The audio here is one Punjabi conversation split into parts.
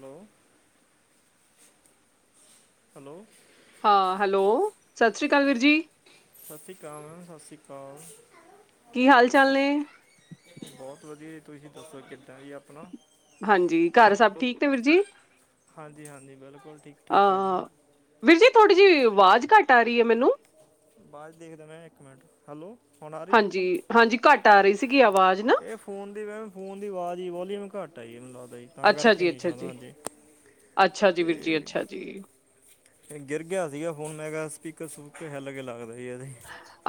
ਹੈਲੋ ਹੈਲੋ ਹਾਂ, ਹੈਲੋ, ਸਤਿ ਸ਼੍ਰੀ ਅਕਾਲ ਵੀਰ ਜੀ ਸਤਿ ਸ਼੍ਰੀ ਅਕਾਲ, ਸਤਿ ਸ਼੍ਰੀ ਅਕਾਲ ਕੀ ਹਾਲ ਚਾਲ ਨੇ ਬਹੁਤ ਵਧੀਆ ਜੀ, ਤੁਸੀਂ ਦੱਸੋ ਕਿੱਦਾਂ ਜੀ ਆਪਣਾ ਹਾਂਜੀ, ਘਰ ਸਭ ਠੀਕ ਤੇ ਵੀਰ ਜੀ ਹਾਂਜੀ ਹਾਂਜੀ, ਬਿਲਕੁਲ ਠੀਕ ਠਾਕ ਹੈ ਜੀ ਅ ਵੀਰ ਜੀ, ਥੋੜ੍ਹੀ ਜਿਹੀ ਆਵਾਜ਼ ਘੱਟ ਆ ਰਹੀ ਹੈ ਮੈਨੂੰ ਆਵਾਜ ਦੇਖਦਾ ਮੈਂ, ਇੱਕ ਮਿੰਟ, ਹੈਲੋ ਹੁਣ ਆ ਰਹੀ ਹਾਂਜੀ ਹਾਂਜੀ ਘੱਟ ਆ ਰਹੀ ਸੀਗੀ ਆਵਾਜ਼ ਨਾ ਇਹ ਫੋਨ ਦੀ ਵੈ ਫੋਨ ਦੀ ਆਵਾਜ਼ ਹੀ, ਵੋਲੀਅਮ ਘੱਟ ਆ ਜੀ, ਮੈਨੂੰੱ ਲਗਦਾ ਜੀ, ਤਾਂ ਅੱਛਾ ਕਰਕੇ ਜੀ ਨਹੀਂ ਅੱਛਾ ਸਕਦਾ ਜੀ ਅੱਗੇ ਅੱਛਾ ਜੀ, ਵੀਰ ਜੀ ਅੱਛਾ ਜੀ। ਇਹ ਗਿਰ ਗਿਆ ਸੀਗਾ ਫੋਨ, ਮੈਂ ਕਿਹਾ ਸਪੀਕਰ ਸਪੀਕਰ ਹਿਲ ਗਏ ਲੱਗਦੇ ਸੀ ਇਹਦੇ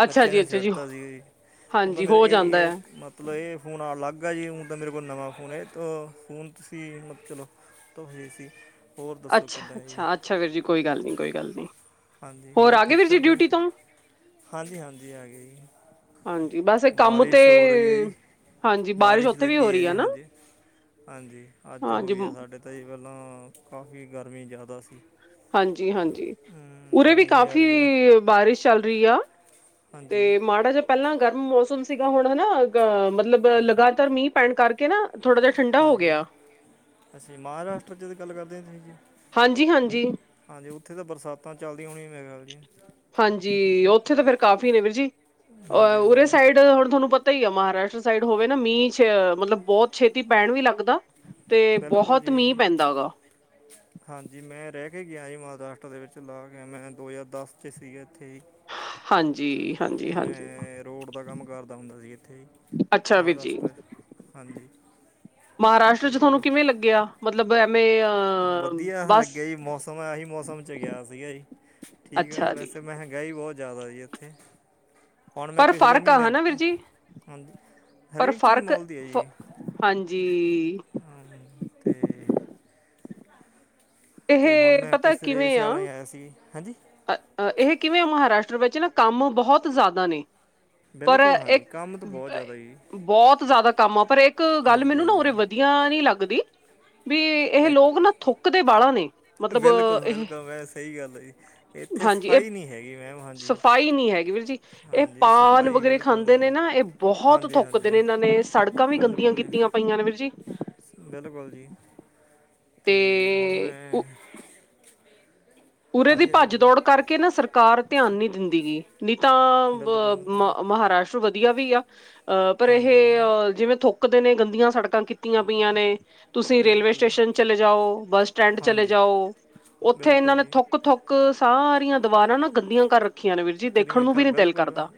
ਅੱਛਾ ਬੱਚਿਆਂ ਜੀ ਨੇ ਅੱਛਾ ਜੀ ਸਿੱਟ ਸੀ, ਉਹਦਾ ਹਾਂਜੀ ਮੇਰੇ ਹੋ ਇਹ ਜਾਂਦਾ ਇਹ ਹੈ ਮ ਮਤਲਬ ਇਹ ਫੋਨ ਅਲੱਗ ਹੈ ਜੀ, ਹੁਣ ਤਾਂ ਮੇਰੇ ਕੋਲ ਨਵਾਂ ਫੋਨ ਹੈ, ਇਹ ਤਾਂ ਫੋਨ ਤੁਸੀਂ ਮਤ ਚਲੋ ਤੋ ਹੋਈ ਸੀ ਹੋਰ ਦੱਸੋ ਅੱਛਾ ਕਿੱਦਾਂ ਹੈ ਜੀ ਅੱਛਾ ਅੱਛਾ, ਵੀਰ ਜੀ ਕੋਈ ਗੱਲ ਨਹੀਂ, ਕੋਈ ਗੱਲ ਨਹੀਂ ਹਾਂਜੀ ਹੋਰ ਆ ਗਏ ਠੀਕ ਵੀਰ ਜੀ ਠਾਕ ਹੋ, ਡਿਊਟੀ ਤੋਂ ਹਾਂਜੀ ਹਾਂਜੀ ਆ ਗਏ ਜੀ ਹਾਂਜੀ ਬਸ ਇਹ ਕੰਮ ਤੇ ਬਾਰਿਸ਼ ਹੋ ਰਹੀ ਹੈ ਜੀ, ਹਾਂਜੀ ਬਾਰਿਸ਼ ਉੱਥੇ ਵੀ ਹੋ ਲੱਗੀ ਹੈ ਰਹੀ ਆ ਜੀ ਨਾ ਹਾਂਜੀ ਹਾਂਜੀ ਅੱਜ ਹਾਂਜੀ ਹੋਈ ਆ ਸਾਡੇ, ਤਾਂ ਜੀ ਪਹਿਲਾਂ ਕਾਫੀ ਗਰਮੀ ਜ਼ਿਆਦਾ ਸੀ ਹਾਂਜੀ ਹਾਂਜੀ, ਹਮ, ਉਰੇ ਵੀ ਗਰਮੀ ਨੇ ਅਰ ਕਾਫ਼ੀ ਗਿਆ ਬਾਰਿਸ਼ ਚੱਲ ਰਹੀ ਆ ਹਾਂਜੀ ਤੇ ਮਾੜਾ ਜਯਾ ਪਹਿਲਾਂ ਗਰਮ ਮੌਸਮ ਸੀਗਾ, ਹੁਣ ਹੈਨਾ ਅ ਮਤਲਬ ਲਗਾਤਾਰ ਮੀਂਹ ਪੈਣ ਕਰਕੇ ਨਾ ਥੋੜਾ ਜਿਹਾ ਠੰਡਾ ਹੋ ਹਾਂਜੀ, ਗਿਆ ਅਸੀ ਮਹਾਰਾਸ਼ਟਰ, ਜਿਦੀ ਗੱਲ ਕਰਦੇ ਆਂ, ਤੁਸੀਂ ਜੀ ਹਾਂਜੀ ਹਾਂਜੀ ਹਾਂਜੀ, ਉੱਥੇ ਤਾਂ ਬਰਸਾਤਾਂ ਚੱਲਦਿਆਂ ਹੋਣੀਆਂ, ਮੇਰਾ ਖ਼ਯਾਲ ਜੀ ਹਾਂਜੀ, ਉੱਥੇ ਤਾਂ ਫੇਰ ਕਾਫੀ ਨੇ ਵੀਰਜੀ, ਅ ਹਾਂਜੀ ਉਰੇ ਹਾਂਜੀ ਸਾਈਡ ਹੁਣ ਤੁਹਾਨੂੰ ਪਤਾ ਹੀ ਆ ਮਹਾਰਾਸ਼ਟਰ ਸਾਈਡ ਹੋਵੇ ਨਾ, ਮੀਂਹ ਚ ਮਤਲਬ ਬਹੁਤ ਛੇਤੀ ਪੈਣ ਵੀ ਲੱਗਦਾ, ਤੇ ਬਿਲਕੁਲ ਬਹੁਤ ਜੀ ਮੀਂਹ ਪੈਂਦਾ ਹੈਗਾ। ਹਾਂਜੀ, ਮੈਂ ਰਹਿ ਕੇ ਗਿਆ ਜੀ, ਮਹਾਰਾਸ਼ਟਰ ਦੇ ਵਿੱਚ ਲਾ ਕੇ, ਮੈਂ ਦੋ ਹਜ਼ਾਰ ਦਸ ਚ ਸੀਗਾ ਇੱਥੇ ਹੀ। ਹਾਂਜੀ ਹਾਂਜੀ ਤੇ ਹਾਂਜੀ ਮੈਂ ਰੋਡ ਦਾ ਕੰਮ ਕਰਦਾ ਹੁੰਦਾ ਸੀ, ਇੱਥੇ ਹੀ ਅੱਛਾ ਵੀਰ ਜੀ ਹਾਂਜੀ ਮਹਾਰਾਸ਼ਟਰ ਚ ਤੇ ਤੁਹਾਨੂੰ ਕਿਵੇਂ ਲੱਗਿਆ, ਮਤਲਬ ਐਵੇਂ ਅ ਵਧੀਆ ਬਸ ਲੱਗਿਆ ਜੀ ਮੌਸਮ, ਐਹੀ ਮੌਸਮ ਚ ਗਿਆ ਸੀਗਾ ਜੀ। ਠੀਕ ਐ ਜੀ, ਵੈਸੇ ਮਹਿੰਗਾਈ ਬਹੁਤ ਜ਼ਿਆਦਾ ਜੀ ਐਥੇ। ਹੁਣ ਮੈਂ ਪਰ ਪਿਛਲੇ ਫ਼ਰਕ ਆ ਮਹੀਨੇ ਹਨਾ ਵੀਰ ਤੋ, ਜੀ ਹਾਂਜੀ ਪਰ ਹਰੇਕ ਚੀਜ਼ ਫ਼ਰਕ, ਮੁੱਲ ਫ ਹਾਂਜੀ ਹਾਂਜੀ ਤੇ ਇਹ, ਤੇ ਹੁਣ ਮੈਂ ਪਤਾ ਪਿਛਲੇ ਕਿਵੇਂ ਆ ਸਿਆਲਾਂ ਹੀ ਆਇਆ ਸੀ ਹਾਂਜੀ ਇਹ ਕਿਵੇਂ ਮਹਾਰਾਸ਼ਟਰ ਵਿੱਚ ਨਾ, ਕੰਮ ਬਹੁਤ ਜ਼ਿਆਦਾ ਨੇ ਪਰ ਬਿਲਕੁਲ ਹਾਂਜੀ, ਇੱਕ ਕੰਮ ਤਾਂ ਬਹੁਤ ਜ਼ਿਆਦਾ ਜੀ ਬਹੁਤ ਜ਼ਿਆਦਾ ਕੰਮ ਆ, ਪਰ ਇੱਕ ਗੱਲ ਹਾਂਜੀ ਮੈਨੂੰ ਨਾ ਉਰੇ ਹਾਂਜੀ ਵਧੀਆ ਨਹੀਂ ਲੱਗਦੀ ਬਈ, ਇਹ ਲੋਕ ਨਾ, ਥੁੱਕਦੇ ਬਾਹਲਾ ਨੇ। ਮਤਲਬ ਇਹ ਬਿਲਕੁਲ-ਬਿਲਕੁਲ, ਵਹ ਸਹੀ ਗੱਲ ਹੈ ਏ, ਏਥੇ ਹਾਂਜੀ ਇਹ ਸਫਾਈ ਨਹੀਂ ਹੈਗੀ, ਮੈਡਮ, ਹਾਂਜੀ। ਸਫ਼ਾਈ ਨਹੀਂ ਹੈਗੀ, ਵੀਰ ਜੀ। ਇਹ ਹਾਂਜੀ ਪਾਨ ਸਫਾਈ ਵਗੈਰਾ ਬਿਲਕੁਲ ਖਾਂਦੇ ਨੇ ਨਹੀਂ ਨਾ, ਜੀ ਇਹ ਬਹੁਤ ਹਾਂਜੀ ਥੁੱਕਦੇ ਨੇ। ਹਾਂਜੀ ਇਹਨਾਂ ਨੇ ਸੜਕਾਂ ਵੀ ਗੰਦੀਆਂ ਬਿਲਕੁਲ ਜੀ ਕੀਤੀਆਂ। ਪਈਆਂ ਨੇ, ਵੀਰ ਜੀ। ਬਿਲਕੁਲ ਜੀ, ਤੇ ਹੁਣ ਮੈਂ। ਉਰੇ ਦੀ ਹਾਂਜੀ ਹਾਂਜੀ ਭੱਜ ਬੋਲੋ ਦੌੜ ਕਰਕੇ ਨਾ, ਸਰਕਾਰ ਧਿਆਨ ਨਹੀਂ ਦਿੰਦੀ ਗਈ। ਨਹੀਂ ਤਾਂ, ਬ-ਬ, ਬਿਲਕੁਲ ਜੀ, ਮ-ਮਹਾਰਾਸ਼ਟਰ ਵਧੀਆ ਵੀ ਆ। ਅਹ, ਪਰ ਇਹ ਹਾਂਜੀ ਜਿਵੇਂ ਥੁੱਕਦੇ ਨੇ, ਗੰਦੀਆਂ ਸੜਕਾਂ ਕੀਤੀਆਂ ਪਈਆਂ ਨੇ। ਤੁਸੀਂ ਰੇਲਵੇ ਬਿਲਕੁਲ ਜੀ ਸਟੇਸ਼ਨ ਚਲੇ ਜਾਓ, ਬੱਸ ਸਟੈਂਡ ਚਲੇ ਹਾਂਜੀ ਜਾਓ, ਉੱਥੇ ਇਹਨਾਂ ਬਿਲਕੁਲ ਨੇ। ਜੀ ਥੁੱਕ-ਥੁੱਕ ਕੇ ਸਾਰੀਆਂ ਦੀਵਾਰਾਂ ਗੰਦੀਆਂ ਕਰ ਰੱਖੀਆਂ ਨੇ, ਵੀਰ ਜੀ। ਦੇਖਣ ਨੂੰ ਵੀ ਨੀ ਦਿਲ ਕਰਦਾ।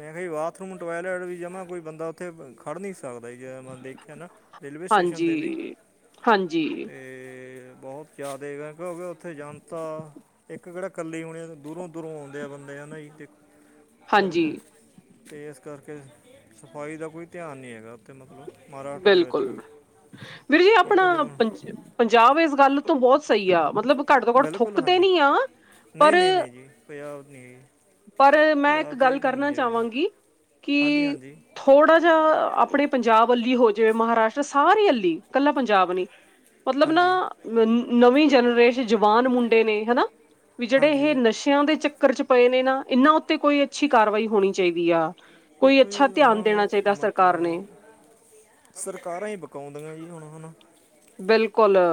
ਐਵੇਂ ਬਾਥਰੂਮ, ਟੋਇਲਟ ਵੀ, ਜਮਾਂ ਕੋਈ ਬੰਦਾ ਉੱਥੇ ਖੜ੍ਹ ਨਹੀਂ ਸਕਦਾ। [unintelligible] ਹੈ ਨਾ, ਰੇਲਵੇ ਸਟੇਸ਼ਨ ਹਾਂਜੀ 'ਤੇ ਵੀ, ਤੇ। ਹਾਂਜੀ ਤੇ-ਤੇ, ਬਹੁਤ ਜ਼ਿਆਦਾ ਗਿਆ, ਕਿਉਂਕਿ ਉੱਥੇ ਜਨਤਾ। ਇੱਕ ਕਿਹੜਾ, ਇਕੱਲੇ ਉਣੇ ਦੂਰੋਂ-ਦੂਰੋਂ ਆਉਂਦੇ ਆ ਬੰਦੇ, ਹੈ ਨਾ ਜੀ। [unintelligible] ਹਾਂਜੀ ਬਿਲਕੁਲ। ਤੇ ਇਸ ਕਰਕੇ ਸਫਾਈ ਦਾ ਕੋਈ ਧਿਆਨ ਨਹੀਂ ਹੈਗਾ। ਮਤਲਬ ਮਾਰ ਬਿਲਕੁਲ ਵੀਰ ਜੀ ਇਹ ਆਪਣਾ ਤਾਂ ਜਿਵੇਂ ਪੰਜ ਪੰਜਾਬ ਇਸ ਗੱਲ ਤੋਂ ਬਹੁਤ ਸਹੀ ਆ ਮਤਲਬ ਘੱਟ ਤੋਂ ਘੱਟ ਬਿਲਕੁਲ ਥੁੱਕਦੇ ਹਾਂਜੀ ਨੀ ਆ ਨਹੀਂ, ਪਰ ਨਹੀਂ, ਨਹੀਂ ਜੀ, ਪੰਜਾਬ ਨਹੀਂ ਈ। ਪਰ ਮੈਂ ਇੱਕ ਗੱਲ ਕਰਨਾ ਚਾਵਾਂਗੀ। ਕਿ ਹਾਂਜੀ ਹਾਂਜੀ ਥੋੜ੍ਹਾ ਜਿਹਾ ਆਪਣੇ ਪੰਜਾਬ ਅੱਲੀ ਹੋ ਜਾਵੇ, ਮਹਾਰਾਸ਼ਟਰ ਸਾਰੀ ਅੱਲੀ। ਕੱਲਾ ਪੰਜਾਬ ਨੀ। ਮਤਲਬ, ਨਾ, ਹਾਂਜੀ ਨਵੀਂ ਜਨਰੇਸ਼ਨ, ਜਵਾਨ ਮੁੰਡੇ, ਨੇ ਹੈ ਨਾ। ਵੀ, ਜਿਹੜੇ ਹਾਂਜੀ ਇਹ ਨਸ਼ਿਆਂ ਦੇ ਚੱਕਰ 'ਚ ਪਏ ਨੇ ਨਾ, ਇਹਨਾਂ ਉੱਤੇ ਕੋਈ ਅੱਛੀ ਕਾਰਵਾਈ ਹੋਣੀ ਚਾਹੀਦੀ ਆ। ਕੋਈ ਦੇਖੋ ਜੀ ਅੱਛਾ ਧਿਆਨ ਉਹਨਾਂ ਦੇਣਾ ਦਾ ਚਾਹੀਦਾ, ਸਰਕਾਰ ਨੇ। ਮਤਲਬ ਸਰਕਾਰਾਂ ਹੀ ਬਕਾਉਂਦੀਆਂ ਜੀ, ਹੁਣ ਹਨਾ। ਬਿਲਕੁਲ ਆ।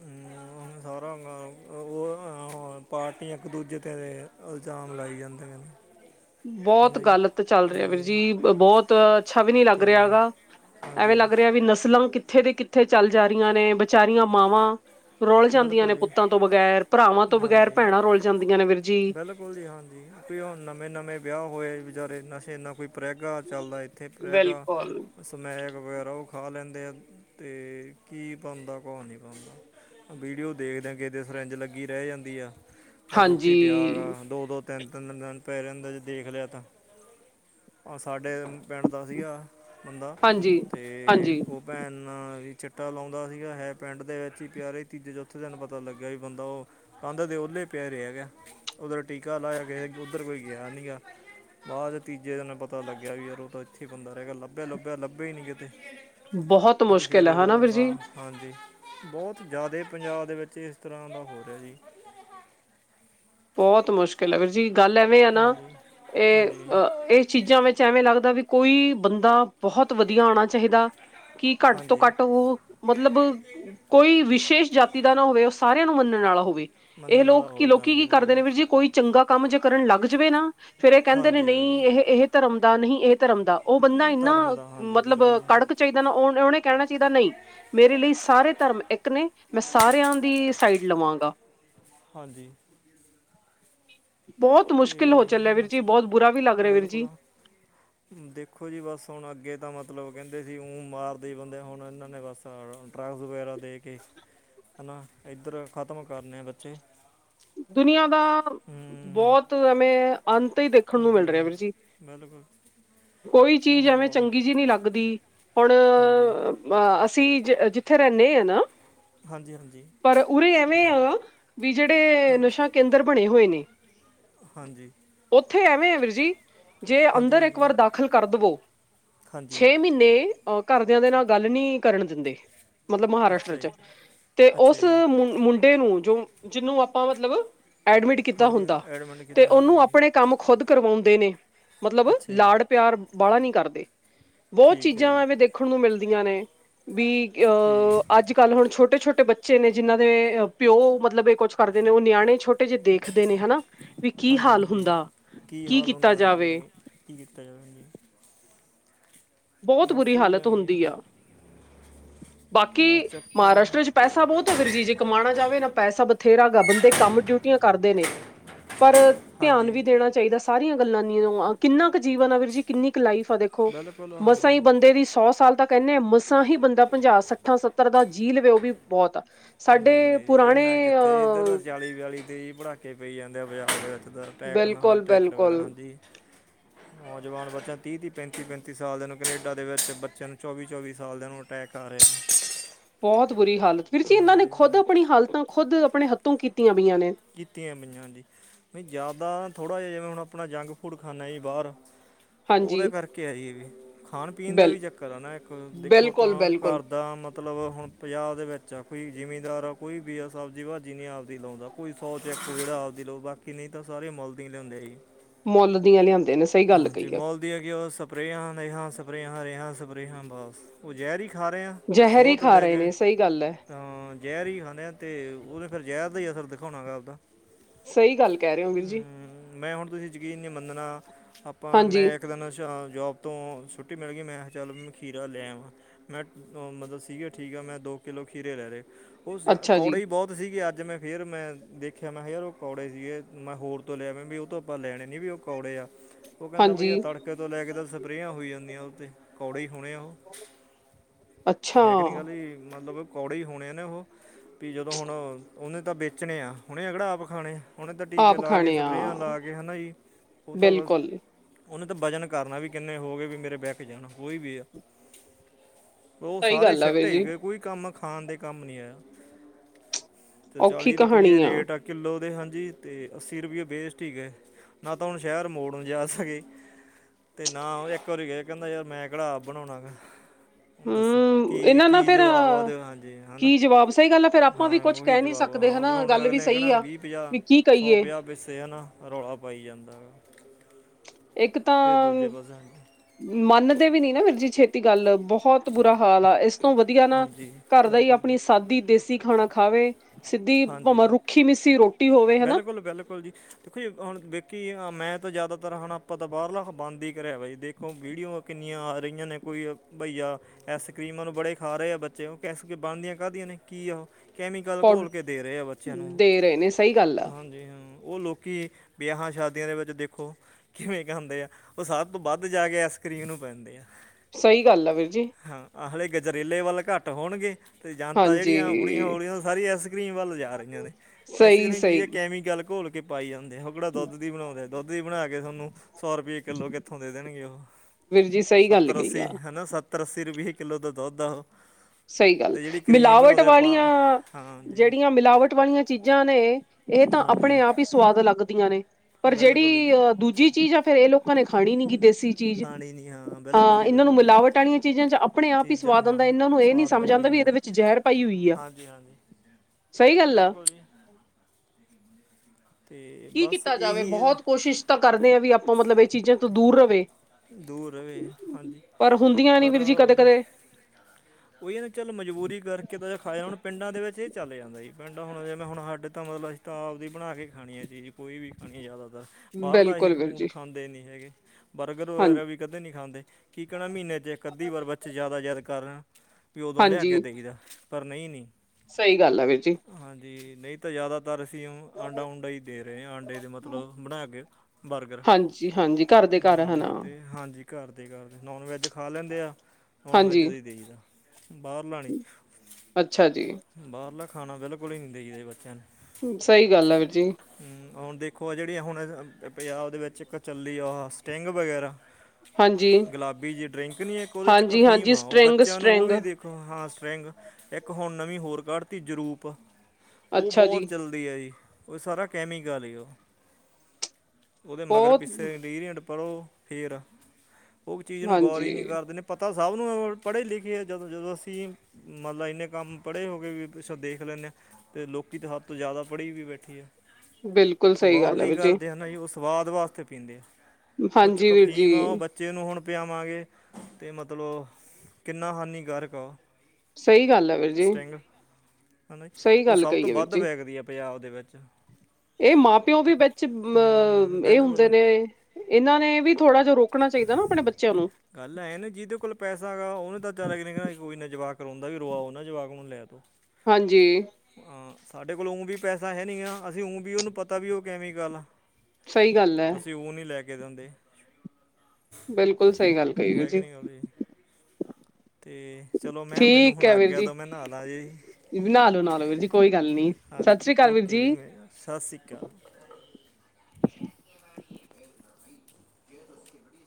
ਹੂੰ ਸਾਰਾ ਉਹ [unintelligible] ਪਾਰਟੀਆਂ ਇੱਕ -ਦੂਜੇ 'ਤੇ ਇਲਜ਼ਾਮ ਲਾਈ ਜਾਂਦੇ ਨੇ। ਬਹੁਤ ਹਨਾ ਜੀ ਗਲਤ ਚੱਲ ਰਿਹਾ, ਵੀਰ ਹਾਂਜੀ ਜੀ, ਬਹੁਤ। ਅੱਛਾ ਵੀ ਨਹੀਂ ਲੱਗ ਤੇ ਰਿਹਾ ਹੈਗਾ। ਐਵੇਂ ਹਾਂਜੀ ਲੱਗ ਰਿਹਾ ਵੀ ਨਸਲਾਂ ਕਿੱਥੇ ਦੇ ਕਿੱਥੇ। ਉੱਥੇ ਚੱਲ ਜਾ ਰਹੀਆਂ ਨੇ, ਵਿਚਾਰੀਆਂ ਮਾਵਾਂ। ਰੁਲ ਜਾਂਦੀਆਂ ਬਿਲਕੁਲ ਨੇ, ਜੀ ਪੁੱਤਾਂ ਤੋਂ ਬਗੈਰ, ਭਰਾਵਾਂ ਤੋਂ ਬਗੈਰ, ਹਾਂਜੀ ਭੈਣਾਂ ਰੁਲ ਜਾਂਦੀਆਂ ਨੇ, ਵੀਰ ਜੀ। ਬਿਲਕੁਲ ਜੀ, ਹਾਂ ਜੀ। ਕੋਈ ਹੁਣ ਨਮੇ-ਨਮੇ ਵਿਆਹ ਹੋਏ ਵਿਚਰੇ, ਨਸ਼ੇ ਇੰਨਾ ਕੋਈ। ਪ੍ਰੇਗਾ ਚੱਲਦਾ ਇੱਥੇ, ਪ੍ਰੇਗਾ। ਬਿਲਕੁਲ। [unintelligible] ਸਮੈਕ ਵਗੈਰਾ ਉਹ ਖਾ ਲੈਂਦੇ ਆ, ਤੇ ਕੀ ਪਾਉਂਦਾ, ਕੌਹ ਨਹੀਂ ਪਾਉਂਦਾ। ਵੀਡੀਓ ਦੇਖਦੇ ਕਿਸੇ ਦੀ ਸਰਿੰਜ ਲੱਗੀ ਰਹਿ ਜਾਂਦੀ ਆ। ਬਸ, ਉੱਥੇ ਹੀ ਪਿਆ ਹਾਂਜੀ, ਹੈਗਾ ਦੋ-ਦੋ। ਤਿੰਨ-ਤਿੰਨ ਦਿਨ ਪਏ ਰਹਿੰਦੇ। ਜੇ ਦੇਖ ਲਿਆ ਤਾਂ, ਆ ਸਾਡੇ ਪਿੰਡ ਦਾ ਸੀਗਾ। ਬੰਦਾ ਹਾਂਜੀ, ਤੇ ਹਾਂਜੀ ਉ। ਭੈਣ, ਨਾਹੀਂ ਚਿੱਟਾ ਲਾਉਂਦਾ ਸੀਗਾ। ਹੈ, ਪਿੰਡ ਦੇ ਵਿੱਚ ਹੀ ਪਿਆ ਰ। ਤੀਜੇ-ਚੌਥੇ ਦਿਨ ਪਤਾ ਲੱਗਿਆ ਵੀ ਬੰਦਾ ਉਹ ਕੰਧ ਦੇ ਓਹਲੇ ਪਿਆ ਰਿਹਾ ਹੈਗਾ। ਔਧਰ ਟੀਕਾ ਲਾਇਆ ਗਏ, ਔਧਰ ਕੋਈ ਗਿਆ ਨੀਂ ਗਾ। ਆ, ਤੀਜੇ ਦਿਨ ਪਤਾ ਲੱਗਿਆ ਵੀ, ਯਾਰ, ਉਹ ਤਾਂ ਇੱਥੇ। ਬੰਦਾ ਰਹਿ ਗਿਆ ਲੱਭਿਆ-ਲੱਭਿਆ-ਲੱਭਿਆ ਹੀ ਨੀ ਕਿਤੇ। ਬਹੁਤ ਉਏ ਵੀ ਫੇਰ ਮੁਸ਼ਕਿਲ ਹੈ ਇਦੇ ਹਨਾ ਵੀਰ ਵ। ਜੀ। [unintelligible] ਹਾਂਜੀ, ਬਹੁਤ ਜ਼ਿਆਦਾ ਪੰਜਾਬ ਦੇ ਵਿੱਚ ਇਸ ਤਰ੍ਹਾਂ ਦਾ ਹੋ ਰਿਹਾ ਜੀ। ਬਹੁਤ ਮੁਸ਼ਕਿਲ ਹੈ, ਵੀਰ ਜੀ। ਗੱਲ ਐਵੇਂ ਆ ਨਾ, ਹਾਂਜੀ ਇਹ, ਹਾਂਜੀ ਅ, ਇਹ। ਚੀਜ਼ਾਂ ਵਿੱਚ ਐਵੇਂ ਲੱਗਦਾ ਵੀ ਕੋਈ ਬੰਦਾ। ਬਹੁਤ ਵਧੀਆ ਓਨਾ ਚਾਹੀਦਾ ਕਿ ਘੱਟ ਤੋਂ ਹਾਂਜੀ ਘੱਟ ਉਹ। ਮਤਲਬ, ਕੋਈ ਵਿਸ਼ੇਸ਼ ਜਾਤੀ ਦਾ ਨਾ ਹੋਵੇ। ਉਹ ਸਾਰਿਆਂ ਨੂੰ ਮੰਨਣ ਵਾਲਾ ਹੋਵੇ। ਮੰਨਣ ਆਲਾ ਹੋਵੇ। ਹਾਂਜੀ। ਘਰਦੇ ਬਿਲਕੁਲ ਨੇ, ਵੀਰ ਜੀ। ਕੋਈ ਚੰਗਾ ਕੰਮ ਜੇ ਕਰਨ ਲੱਗ ਜਾਵੇ ਨਾ। ਫੇਰ ਇਹ ਕਹਿੰਦੇ ਨੇ ਹਾਂਜੀ ਉਹਦੇ ਨਹੀਂ ਇਹ-ਇਹ ਧਰਮ ਦਾ ਨਹੀਂ ਇਹ ਧਰਮ ਦਾ ਉਹ ਬੰਦਾ ਇੰਨਾ ਧਰਮ ਦਾ ਹਾਂਜੀ ਮਤਲਬ ਬਿਲਕੁਲ ਹਾਂਜੀ। ਕੜਕ ਚਾਹੀਦਾ ਨਾ ਉਹ ਉਹਨੇ ਕਹਿਣਾ ਚਾਹੀਦਾ ਨਹੀਂ ਮੇਰੇ ਲਈ ਸਾਰੇ ਧਰਮ ਇੱਕ ਨੇ ਮੈਂ ਸਾਰਿਆਂ ਦੀ ਸਾਈਡ ਲਵਾਂਗਾ ਹਾਂਜੀ ਬਹੁਤ ਤੇ ਮੁਸ਼ਕਿਲ ਹੋ ਚੱਲ ਰਿਹਾ ਵੀਰ ਜੀ ਬਸ ਬਹੁਤ ਬੁਰਾ ਵੀ ਲੱਗ ਰਿਹਾ ਵੀਰ ਜੀ ਬਿਲਕੁਲ ਦੇਖੋ ਜੀ ਬਸ ਹੁਣ ਅੱਗੇ ਤਾਂ ਮਤਲਬ ਕਹਿੰਦੇ ਸੀ ਊ ਮਾਰਦੇ ਬੰਦੇ ਹੁਣ ਇਹਨਾਂ ਨੇ ਬਸ ਡਰੱਗਸ ਵਗੈਰਾ ਦੇ ਕੇ, ਹੈ ਨਾ ਇੱਧਰ ਖ਼ਤਮ ਕਰਨੇ ਆ ਬੱਚੇ ਦੁਨੀਆਂ ਦਾ ਹੂੰ ਬਹੁਤ ਐਵੇਂ ਅੰਤ ਹੀ ਦੇਖਣ ਨੂੰ ਮਿਲ ਹਾਂਜੀ ਰਿਹਾ ਵੀਰ ਜੀ ਬਿਲਕੁਲ ਕੋਈ ਚੀਜ਼ ਐਵੇਂ ਮਾਹੌਲ ਚੰਗੀ ਜਿਹੀ ਨਹੀ ਲੱਗਦੀ, ਹੁਣ ਹਾਂਜੀ ਅ ਅਸੀਂ ਜ ਜਿੱਥੇ ਰਹਿੰਦੇ ਹਾਂ ਨਾ ਹਾਂਜੀ ਹਾਂਜੀ ਪਰ ਉਰੇ ਐਵੇਂ ਆ, ਵੀ ਜਹੜ ਨਸ਼ਾ ਹਾਂ- ਕੇਂਦਰ ਬਣੇ ਹੋਏ ਨੇ ਹਾਂਜੀ। ਉੱਥੇ ਐਵੇਂ ਐਂ ਵੀਰਜੀ ਜੇ ਹਾਂਜੀ ਅੰਦਰ ਇੱਕ ਹਾਂਜੀ ਵਾਰ ਦਾਖਲ ਕਰ ਦੇਵੋ, ਹਾਂਜੀ ਛੇ ਮਹੀਨੇ ਔ ਘਰਦਿਆਂ ਦੇ ਨਾਲ ਗੱਲ ਨਹੀ ਕਰਨ ਦਿੰਦੇ ਮਤਲਬ ਮਹਾਰਾਸ਼ਟਰ ਅੱਛਾ ਚ, ਜੀ ਤੇ ਅੱਛਾ ਉਸ ਜੀ ਮੁੰਡੇ ਨੂੰ ਜੋ ਜਿਹਨੂੰ ਆਪਾਂ ਮਤਲਬ ਐਡਮਿਟ ਕੀਤਾ ਹਾਂਜੀ ਹੁੰਦਾ, ਐਡਮਿਟ ਤੇ ਕਿਤੇ ਹਾਂਜੀ ਉਹਨੂੰ ਹਾਂਜੀ ਆਪਣੇ ਕੰਮ ਖੁਦ ਕਰਵਾਉਂਦੇ ਨੇ, ਮਤਲਬ ਅੱਛਾ ਜੀ ਲਾੜ ਪਿਆਰ ਬਾੜਾ ਨੀ ਕਰਦੇ ਬਹੁਤ ਠੀਕ ਹੈ ਚੀਜ਼ਾਂ ਜੀ ਐਵੇਂ ਦੇਖਣ ਨੂੰ ਮਿਲਦੀਆਂ ਨੇ, ਵੀ ਠੀਕ ਹੈ ਅਹ ਅੱਜ ਕੱਲ ਹੁਣ ਛੋਟੇ-ਛੋਟੇ ਬੱਚੇ ਨੇ ਜਿਨ੍ਹਾ ਦੇ ਅਹ ਪਿਓ ਮਤਲਬ ਕੁਛ ਕਰਦੇ ਨੇ ਉਹ ਨਿਆਣੇ ਛੋਟੇ ਜਿਹੇ ਦੇਖਦੇ ਨੇ ਹਨਾ ਵੀ ਕੀ ਹਾਂਜੀ ਹਾਲ ਹਾਂਜੀ ਹੁੰਦਾ, ਕੀ ਹਾਲ ਹੁੰਦਾ ਕੀਤਾ ਹਾਂਜੀ ਜਾਵੇ ਬਿਲਕੁਲ ਕੀ ਕੀਤਾ ਜਾਵੇ ਜੀ ਬਹੁਤ ਬੁਰੀ ਜੀ ਹਾਲਤ ਐਂ ਹੁੰਦੀ ਆ ਬਾਕੀ, ਬਸ ਚੱਕਰ ਮਹਾਰਾਸ਼ਟਰ ਚ ਪੈਸਾ ਬਹੁਤ ਹੈ ਵੀਰਜੀ ਜੇ ਕਮਾਉਣਾ ਚਾਹਵੇ ਨਾ ਪੈਸਾ ਬਥੇਰਾ ਗਾ, ਬੰਦੇ ਕੰਮ ਡਿਊਟੀਆਂ ਕਰਦੇ ਨੇ, ਪਰ ਧਿਆਨ ਹਾਂਜੀ ਵੀ ਦੇਣਾ ਚਾਹੀਦਾ ਸਾਰੀਆਂ ਗੱਲਾਂ ਦੀ ਕਿੰਨਾ ਕੁ ਜੀਵਨ ਆ ਵੀਰ ਜੀ ਕਿੰਨੀ ਕੁ ਲਾਈਫ ਆ ਦੇ [inaudible] ਮਸਾਂ ਹੀ ਬੰਦੇ ਦੀ ਸੌ ਸਾਲ ਤਾਂ ਕਹਿੰਦੇ ਆ ਮਸਾਂ ਹੀ ਬੰਦਾ ਪੰਜਾਹ, ਸੱਠਾਂ, ਸੱਤਰ ਦਾ ਜੀ ਲਵੇ ਉਹ ਵੀ ਬਹੁਤ ਆ ਸਾਡੇ ਨਹੀਂ-ਨਹੀਂ ਜੀ ਪੁਰਾਣੇ ਇੰਨਾ ਕਿੱਥੇ, ਇੱਧਰ ਦਾ ਅਹ ਚਾਲੀ ਬਿਆਲੀ ਤੇ ਪੜਾਕੇ ਪੱਕੇ ਪਈ ਜਾਂਦੇ ਆ ਬਾਜ਼ਾਰ ਦੇ ਵਿੱਚ ਤਾਂ ਟੈਕ ਨਾਲ ਹ ਬਿਲਕੁਲ ਟੈਕ ਬਿਲਕੁਲ ਵਗੈਰਾ ਹਾਂਜੀ ਨੌਜਵਾਨ ਬੱਚਿਆਂ ਤੀਹ- ਤੀਹ, ਪੈਂਤੀ-ਪੈਂਤੀ ਸਾਲ ਦੇ ਨੂੰ ਕੈਨੇਡਾ ਦੇ ਵਿੱਚ ਬੱਚਿਆਂ ਨੂੰ ਚੌਵੀ-ਚੌਵੀ ਸਾਲ ਦੇ ਨ ਅਟੈਕ ਆ ਰਹੇ- ਬਹੁਤ ਬੁਰੀ ਹਾਲਤ, ਵੀਰ ਜੀ ਇਹਨਾਂ ਨੇ ਹਾਂਜੀ ਖੁਦ ਆਪਣੀ ਹਾਲਤਾਂ ਖੁਦ ਆਪਣੇ ਹੱਥੋਂ ਕੀਤੀਆਂ ਪਈਆਂ ਨੇ ਕੀਤੀਆਂ ਪਈਆਂ ਦੀ ਜ਼ਿਆਦਾ ਥੋੜ੍ਹਾ ਜਿਹਾ ਜਿਵੇਂ ਹੁਣ ਆਪਣਾ ਜੰਕ ਫੂਡ ਖਾਂਦਾ ਜੀ ਬਾਹਰ ਉਹਦੇ ਹਾਂਜੀ ਕਰਕੇ ਆ ਜੀ, ਖਾਣ ਪੀਣ ਦਾ ਬਿਲ ਵੀ ਚੱਕਰ ਆ ਨਾ ਇੱਕ ਦੇਖੋ ਆਪਾਂ ਬਿਲਕੁਲ ਬਿਲਕੁਲ ਘਰ ਦਾ ਮਤਲਬ ਹੁਣ ਪੰਜਾਬ ਦੇ ਵਿੱਚ ਆ ਕੋਈ ਜਿਮੀਦਾਰ ਆ ਕੋਈ ਵੀ ਆ ਸਬਜ਼ੀ ਬਾਜੀ ਨੀ ਆਪਦੀ ਲਾਉਂਦਾ ਕੋਈ ਸੌ 'ਚ ਇੱਕ ਜਿਹੜਾ ਆਪਦੀ ਲਓ ਬਾਕੀ ਨਹੀਂ ਤਾਂ ਸਾਰੇ ਮੁਲਦੀ ਹੀ ਲਿਆਉਂਦੇ ਜੀ ਮੁੱਲ ਦੀਆਂ ਲਿਆਉਂਦੇ ਨੇ ਸਹੀ ਗੱਲ ਹਾਂਜੀ ਕਹੀ ਆ ਮੁਲ ਕਿ ਉਹ ਸਪਰੇਹ ਰਿਹਾ-ਸਪਰੇਹ ਰਿਹਾ ਸਪਰੇਹ ਬਸ ਉਹ ਜ਼ਹਿਰ ਹੀ ਖਾ ਰਹੇ ਆ ਜ਼ਹਿਰ ਹੀ ਸਵੇਰ ਤੋਂ ਖਾ ਲੈ ਰਹੇ ਕੇ ਨੇ ਸਹੀ ਗੱਲ ਹੈ ਤਾਂ ਜ਼ਹਿਰ ਹੀ ਖਾਂਦੇ ਆ ਤੇ ਉਹਨੂੰ ਫਿਰ ਜ਼ਹਿਰ ਦਾ ਹੀ ਅਸਰ ਦਿਖਾਉਣਾ ਆਪਦਾ ਸਹੀ ਗੱਲ ਕਹਿ ਰਹੇ ਹੋ ਵੀਰ ਜੀ ਹਮ, ਮੈਂ ਹੁਣ ਤੁਸੀਂ ਯਕੀਨ ਨਹੀਂ ਮੰਨਣਾ ਆਪਾਂ ਹਾਂਜੀ ਮੈਂ ਇੱਕ ਦਿਨ ਸ਼ ਜੋਬ ਤੋਂ ਛੁੱਟੀ ਮਿਲ ਗਈ ਮੈਂ ਕਿਹਾ ਚੱਲ ਮੈਂ ਖੀਰਾ ਲੈ ਆਵਾ। ਮੈਂ ਮਤਲਬ ਸੀਗੇ ਠੀਕ ਆ ਮੈਂ ਦੋ ਕਿੱਲੋ ਖੀਰੇ ਲੈ ਲਏ ਉਸ ਅੱਛਾ ਕੌੜੇ ਜੀ ਹੀ ਬਹੁਤ ਅੱਜ ਮੈਂ ਫੇਰ ਮੈਂ ਦੇਖਿਆ ਮੈਂ ਕਿਹਾ ਉਹ ਕੌੜੇ ਸੀਗੇ ਮੈਂ ਹੋਰ ਤੋਂ ਲਿਆ ਮੈਂ ਵੀ ਉਹ ਤੋਂ ਆਪਾਂ ਲੈਣੇ ਨੀ ਵੀ ਉਹ ਕੌੜੇ ਆ ਉਹ ਕਹਿੰਦਾ ਬਈ ਆ ਹਾਂਜੀ ਤੜਕੇ ਤੋਂ ਲੈ ਕੇ ਤਾਂ ਸਪਰੇਆਂ ਹੋਈ ਜਾਂਦੀਆਂ ਉਤੇ, ਕੌੜੇ ਹੀ ਹੋਣੇ ਉਹ। ਅੱਛਾ ਹੈ ਕੇ ਨੀ ਗੱਲ ਏ ਮਤਲਬ ਕੌੜੇ ਹੀ ਹੋਣੇ ਨੇ ਉਹ, ਵੀ ਜਦੋਂ ਹੁਣ ਉਹਨੇ ਤਾਂ ਬੇਚਣੇ ਆ ਓਹਨੇ ਕੇਹੜਾ ਆਪ ਖਾਣੇ। ਓਨੇ ਤਾਂ ਟੀਕੇ ਆਪ ਲਾ ਕੇ, ਖਾਣੇ ਆ ਸਪਰੇਆਂ ਲਾ ਕੇ ਹੈਨਾ ਜੀ। ਉਹ ਤਾਂ ਬਸ ਬਿਲਕੁਲ ਉਹਨੇ ਤਾਂ ਵਜਨ ਕਰਨਾ ਵੀ ਕਿੰਨੇ ਹੋ ਗਏ ਵੀ ਮੇਰੇ ਬਿਕ ਜਾਣ ਕੋਈ ਵੀ ਆ। ਉਹ ਸਹੀ ਸਾਰੇ ਗੱਲ ਆ ਵੀਰ ਜੀ ਸ਼ਿਟੇਗੇ ਕੋਈ ਕੰਮ ਖਾਣ ਦੇ ਕੰਮ ਨੀ ਆਇਆ। ਤੇ ਔਖੀ ਚਾਲੀ ਰੁਪਈਏ ਕਹਾਣੀ ਰੇਟ ਆ ਕਿੱਲੋ ਦੇ, ਹਾਂਜੀ ਤੇ ਅੱਸੀ ਰਪਈਏ ਵੈਸਟ ਹੀ ਗਏ, ਨਾ ਤਾਂ ਹੁਣ ਸ਼ਹਿਰ ਮੋੜ ਨ ਜਾ ਸਕੇ ਤੇ ਨਾ ਉਹ ਇੱਕ ਵਾਰੀ ਗਏ ਕਹਿੰਦਾ ਯਾਰ ਮੈਂ ਕੇਹੜਾ ਆਪ ਬਣਾਉਣਾ ਏਂਗਾ। ਦੱਸੋ ਹਮ ਇਹਨਾਂ ਨਾ ਕੀ-ਕੀ ਫੇਰ ਜਵਾਬ ਉਹਦੇ [unintelligible] ਹਾਂਜੀ ਹਨਾ ਕੀ ਜਵਾਬ ਸਹੀ ਗੱਲ ਆ ਫੇਰ ਆਪਾਂ ਵੀ ਹਾਂ ਕੁਛ ਉਹੀ ਕਹਿ ਨੀ ਜਵਾਬ ਸਕਦੇ ਹਾਂ ਫਿਰ ਹਨਾ ਹੁਣ ਗੱਲ ਵੀ ਅਗਲੇ ਨੇ ਸਹੀ ਕਹਿਣਾ ਆ ਵੀਹ- ਪੰਜਾਹ, ਵੀ ਕੀ ਸੌ ਕਹੀਏ -ਪੰਜਾਹ ਪਿੱਸੇ ਹੈ ਨਾ ਰੌਲਾ ਪਾਈ ਜਾਂਦਾ। ਇੱਕ ਫਿਰ ਤਾਂ, ਦੂਜੇ ਪਾਸੇ ਹਾਂਜੀ- ਮੰਨਦੇ ਵੀ ਨੀ ਨਾ ਵੀਰ ਜੀ ਛੇਤੀ ਗੱਲ। ਬਹੁਤ ਬੁਰਾ ਹਾਲ ਆ, ਇਸ ਤੋਂ ਵਧੀਆ ਨਾ ਹਾਂਜੀ ਘਰ ਦਾ ਹੀ ਬਿਲਕੁਲ ਜੀ ਆਪਣੀ ਸਾਦੀ ਦੇਸੀ ਖਾਣਾ ਖਾਵੇ। ਸਿੱਧੀ ਭਾਵਾਂ ਰੁੱਖੀ-ਮਿੱਸੀ ਰੋ ਬਿਲਕੁਲ-ਬਿਲਕੁਲ ਜੀ ਦੇਖੀ ਹੁਣ ਵੇਖੀ ਮੈਂ ਤਾਂ ਜ਼ਿਆਦਾਤਰ ਹੁਣ ਆਪਾਂ ਤਾਂ ਬਾਹਰਲਾ ਬੰਦ ਹੀ ਕਰਿਆ ਵਾ ਜੀ ਦੇਖ ਦੇਖੋ ਵੀਡੀਓ ਕਿੰਨੀਆਂ ਆ ਰਹੀਆਂ ਨੇ ਕੋਈ ਬਈਆ ਆਈਸਕ੍ਰੀਮਾਂ ਨੂੰ ਬੜੇ ਖਾ ਰਹੇ ਆ ਬੱਚੇ। ਉਹ ਕ ਬਣਦੀਆਂ ਕਾਹਦੀਆਂ ਨੇ ਕੀ ਆ ਉਹ? ਕੈਮੀਕਲ ਪੌ ਘੋਲ ਕੇ ਦੇ ਰਹੇ ਆ ਬੱਚਿਆਂ ਨੂੰ। ਦੇ ਰਏ ਨੇ ਸਹੀ ਗੱਲ ਆ ਹਾਂਜੀ ਹਾਂ, ਉਹ ਲੋਕੀ ਵਿਆਹਾਂ ਸ਼ਾਦੀਆਂ ਦੇ ਵਿੱਚ ਦੇਖੋ ਕਿਵੇਂ ਖਾਂਦੇ ਆ, ਉਹ ਸਭ ਤੋਂ ਵੱਧ ਜਾ ਕੇ ਆਇਸਕਰੀਮ ਨੂੰ ਪੈਂਦੇ ਆ। ਸਹੀ ਗੱਲ ਆ ਵੀਰ ਜੀ। ਹਾਂ ਆਲੇ, ਗਜਰੇਲੇ ਵੱਲ ਘੱਟ ਹੋਣਗੇ ਅਤੇ ਜਾਂਤਾ ਜਿਹੜੀਆਂ ਬੁੜੀਆਂ ਹਾਂਜੀ ਬੂੜੀਆ ਉਹ ਸਾਰੀ ਆਇਸਕਰੀਮ ਵੱਲ ਜਾ ਰਹੀਆਂ ਨੇ ਆਈਸ ਸਹੀ ਕਰ੍ਰੀਮ ਸਹੀ ਕੈਮੀਕਲ ਘੋਲ ਕੇ ਪਾਈ ਏ ਜਾਂਦੇ ਉਹ ਕੇੜਾ ਦੁੱਧ ਦੀ ਬਣਾਉਂਦੇ ਦੁੱਧ ਦੀ ਬਣਾ ਕੇ ਤੁਹਾਨੂੰ ਸੌ ਰੁਪਈਏ ਕਿੱਲੋ ਕਿੱਥੋਂ ਦੇ ਦੇਣਗੇ ਉਹ? ਵੀਰ ਜੀ ਸਹੀ ਗੱਲ ਸੱਤਰ ਕਹੀ ਆ ਅੱਸੀ ਹੈਨਾ ਸੱ ਸੱਤਰ ਅੱਸੀ ਰੁਪਏ ਕਿੱਲੋ ਤਾਂ ਦੁੱਧ ਆ ਉਹ। ਸਹੀ ਗੱਲ ਏ। ਤੇ ਜਿਹੜੀ ਕਰੀਮ ਮਿਲਾਵਟ ਬਣਾਉਂਦੇ ਆਪਾਂ ਵਾਲੀਆਂ ਹਾਂਜੀ ਜਿਹੜੀਆਂ ਮਿਲਾਵਟ ਵਾਲੀਆਂ ਚੀਜ਼ਾਂ ਨੇ, ਇਹ ਤਾਂ ਹਾਂਜੀ ਆਪਣੇ ਆਪ ਹੀ ਸਵਾਦ ਲੱਗਦੀਆਂ ਨੇ। ਪਰ ਬਿਲਕੁਲ ਜੀ ਜਿਹੜੀ ਅ ਦੂਜੀ ਚੀਜ਼ ਆ ਫੇਰ ਇਹ ਲੋਕਾਂ ਨੇ ਖਾਣੀ ਨੀ ਗ ਦੇਸੀ ਚੀਜ਼ ਖਾਣੀ ਨਹੀਂ ਬਿਲਕੁਲ ਹਾਂ ਜੀ ਇਹਨਾਂ ਨੂੰ ਬਿਲਕੁਲ ਮਿਲਾਵਟ ਆਲੀਆਂ ਚੀਜ਼ਾਂ 'ਚ ਆਪਣੇ ਆਪ ਹੀ ਚੀਜ਼ਾਂ ਸਵਾਦ ਹਾਂ ਆਉਂਦਾ ਇਹਨਾਂ ਨੂੰ ਇਹ ਨਹੀਂ ਸਵਾਦ ਸਮਝ ਆਉਂਦਾ ਲੱਗਣੀਆਂ ਵੀ ਇਹਦੇ ਹਾਂਜੀ ਵਿੱਚ ਜ਼ਹਿਰ ਪਾਈ ਹੋਈ ਆ, ਹਾਂਜੀ ਹਾਂਜੀ ਸਹੀ ਗੱਲ ਆ। ਬਿਲਕੁਲ ਜੀ ਤੇ ਕੀ ਬਸ ਕੀਤਾ ਜਾਵੇ ਇਹੀ ਬਹੁਤ ਹੈ ਕੋਸ਼ਿਸ਼ ਤਾਂ ਕਰਦੇ ਆ ਵੀ ਆਪਾਂ ਮਤਲਬ ਇਹ ਚੀਜ਼ਾਂ ਤੋਂ ਦੂਰ ਰਵੇ। ਦੂਰ ਰਵੇਂ ਹਾਂਜੀ ਪਰ ਹੁੰਦੀਆਂ ਨੀ ਪਰ ਵੀਰ ਜੀ ਕਦੇ ਅ ਕਦੇ [inaudible] ਬਈ ਆ ਨਾ ਚੱਲ ਮਜ਼ਬੂਰੀ ਕਰਕੇ ਤਾਂ ਖਾਏ ਆਣ, ਪਿੰਡਾਂ ਦੇ ਵਿੱਚ ਇਹ ਚੱਲ ਜਾਂਦਾ ਜੀ ਪਿੰਡਾਂ ਹੁਣ ਜਿਵੇਂ ਹੁਣ ਸਾਡੇ ਤਾਂ ਮਤਲਬ ਆਪ ਦੀ ਬਣਾ ਕੇ ਖਾਣੀ ਹੈ ਚੀਜ਼ ਕੋਈ ਵੀ ਖਾਣੀ ਜ਼ਿਆਦਾਤਰ ਬਾਹਰਲਾ ਅਹੀ ਬਿਲਕੁਲ ਵੀਰ ਫੂਡ ਜੀ ਖਾਂਦੇ ਨੀ ਹੈਗੇ। ਅਗਰ ਰਵੀ ਕਦੇ ਨੀ ਖਾਂਦੇ ਕੀ ਕਹਿ ਨਾ ਮਹੀਨੇ 'ਚ ਇਕ ਅੱਧੀ ਵਾਰ ਹਾਂਜੀ ਬੱਚੇ ਜ਼ਿਆਦਾ ਜ਼ਿਦ ਕਰਨ ਓਦੋਂ ਲਿਆ ਹਾਂਜੀ ਕੇ ਦਈਦੈ ਪਰ ਨਹੀਂ ਨੀ। ਸਹੀ ਗੱਲ ਆ ਵੀਰ ਜੀ। ਹਾਂਜੀ ਨਹੀ ਤੇ ਜ਼ਿਆਦਾ ਤਰ ਅਸੀਂ ਓਨੂੰ ਆਂਡਾ ਉਂਡਾ ਹੀ ਦੇ ਰਹੇ ਹਾਂ, ਆਂਡੇ ਦੇ ਮਤਲਬ ਬਣਾ ਕੇ ਬਰਗਰ ਹਾਂਜੀ। ਹੂੰ, ਤੇ ਹਾਂਜੀ ਘਰ ਦੇ ਘਰ ਨੋਨ ਵੈਜ ਖਾ ਲੈਂਦੇ ਆ, ਨੋਨ ਵੈੱਜ ਹਾਂਜੀ ਦੇ ਦੇਈ ਦਾ। ਬਾਹਰਲਾ ਨੀ, ਅੱਛਾ ਜੀ ਬਾਹਰਲਾ ਖਾਣਾ ਬਿਲਕੁਲ ਈ ਨਈ ਦਈ ਦਾ ਬੱਚਿਆਂ ਨੂੰ। ਸਹੀ ਗੱਲ ਆ ਵੀਰ ਜੀ। ਹੂੰ, ਹੁਣ ਦੇਖੋ ਆ ਜਿਹੜੀ ਹੁਣ ਪੰਜਾਬ ਦੇ ਵਿੱਚ ਇੱਕ ਚੱਲੀ ਆ ਸਟਿੰਗ ਵਗੈਰਾ ਹਾਂਜੀ ਗੁਲਾਬੀ ਜੀ ਡਰਿੰਕ ਨੀ ਇੱਕ, ਉਹਦੇ'ਚ ਇੱਕ ਅਫੀਮ ਹਾਂਜੀ-ਹਾਂਜੀ ਆ, ਉਹ ਸਟਰਿੰਗ ਬੱਚਿਆਂ ਨੂੰ ਉਹ ਸਟਰਿੰਗ ਵੀ ਦੇ ਹਾਂ, ਸਟਰ੍ਰਿੰਗ, ਇੱਕ ਹੁਣ ਨਵੀਂ ਹੋਰ ਕੱਢਤੀ ਜਰੂਪ, ਉਹ ਅੱਛਾ ਜੀ ਬਹੁਤ ਚਲ ਏ ਆਈ, ਉਹ ਸਾਰਾ ਕੈਮੀਕਲ ਉਹ, ਉਹਦੇ ਮਗਰ ਬਹੁਤ ਪਿੱਸੇ ਇਡੀਰੀਅਟ ਪੜ੍ਹੋ ਫਿਰ, ਉਹ ਚੀਜ਼ ਨੂੰ ਗੌਰ ਹੀ ਹਾਂਜੀ ਨਹੀਂ ਕਰਦੇ। ਪਤਾ ਸਭ ਨੂੰ ਆ, ਪੜ੍ਹੇ-ਲਿਖੇ, ਜਦ-ਜਦੋਂ ਅਸੀਂ ਮਤਲਬ ਇੰਨੇ ਕੰਮ, ਪੜ੍ਹੇ ਹੋਕੇ ਵੀ ਪਿੱਛੋਂ ਦੇਖ ਲੈਂਨੇ ਹਾਂ। ਤੇ ਲੋਕੀ ਤੇ ਹੱਦ ਤੋਂ ਜ਼ਿਆਦਾ ਪੜ੍ਹੀ ਵੀ ਬੈਠੀ ਆ, ਬਿਲਕੁਲ ਉਹ ਸਹੀ ਗੌਰ ਗੱਲ ਹੈ ਨੀ ਵੀਰ ਕਰਦੇ ਹਨਾ ਜੀ, ਉਸ ਸਵਾਦ ਵਾਸਤੇ ਪੀਂਦੇ ਆ, ਉਹ'ਚ ਹਾਂਜੀ ਕ ਵੀਰ ਜੀ ਫੀਮ ਆ, ਉਹ ਬੱਚੇ ਬੱਚੇ ਨੂੰ ਹੁਣ ਪਿਆਵਾਂਗੇ, ਤੇ ਮਤਲਬ ਕਿੰਨਾ ਹਾਨੀਕਾਰਕ ਆ ਓਹ। ਸਹੀ ਗੱਲ ਆ, ਵੀਰ ਜੀ। ਹਨਾ ਜੀ, ਸਹੀ ਉਹ ਗੱਲ ਸਭ ਤੋਂ ਕਹੀ ਹੈ ਵੀਰ ਵੱਧ ਜੀ ਵੈਕਦੀ ਆ, ਪੰਜਾਬ ਦੇ ਵਿੱਚ। ਇਹ ਮਾਂ-ਪਿਓ ਵੀ ਵਿੱਚ ਅ ਹੂੰ ਇਹ ਹੁੰਦੇ ਬਿਲਕੁਲ ਨੇ, ਇਹਨਾਂ ਨੇ ਵੀ ਥੋੜਾ ਜਿਹਾ ਰੁਕ ਰੋਕਣਾ ਚਾਹੀਦਾ ਨਾ, ਆਪਣੇ ਬੱਚਿਆਂ ਨੂੰ। ਗੱਲ ਹੈ ਨਾ, ਜਿਹਦੇ ਕੋਲ ਪੈਸਾ ਹੈਗਾ ਉਹਨੂੰ ਤਾਂ ਕਾਰਾਗ ਨੇ ਕਹਿਣਾ, ਕੋਈ ਨਾ ਜਵਾਕ ਰੋਂਦਾ ਵੀ ਰੁਵਾਓ ਨਾ, ਜਵਾਕ ਨੂੰ ਲੈ ਲੋ ਹਾਂਜੀ। ਹਾਂ, ਸਾਡੇ ਕੋਲ ਊਂਂਵੀ ਪੈਸਾ ਹੈ ਨਹੀਂ ਆ, ਅਸੀਂ ਊਂ ਵੀ ਉਹਨੂੰ ਪਤਾ ਵੀ ਉਹ ਕੇਮੀਕਲ ਆ। ਸਹੀ ਗੱਲ ਹੈ ਅਸੀਂ ਉਂ ਨਹੀਂ ਲੈਕੇ ਦਿੰਦੇ। ਬਿਲਕੁਲ ਸਹੀ ਗੱਲ ਕਹੀ, ਵੀਰ ਹੈ ਕਿ ਜੀ। ਨਹੀਂ ਗੱਲ ਤੇ, ਚਲੋ ਮੈਂਮ ਮੈਨੂੰ ਹੁਣ ਆਗਿਆ ਦੋ, ਮੈਂ ਨਹਾਲਾਂ ਜੀ। ਨਹਾਲੋ-ਨ੍ਹਾਲੋ ਵੀਰ ਜੀ ਕੋਈ ਗੱਲ ਨੀ। ਹਾਂਜੀ, ਸਤਿ ਸ੍ਰੀ ਅਕਾਲ ਵੀਰ ਓਕੇ ਜੀ ਮੇ ਸਤਿ ਸ਼੍ਰੀ ਅਕਾਲ। ਗਏ ਤੁਸੀ?